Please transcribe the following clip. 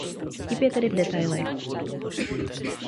Vtip je tedy v detailech.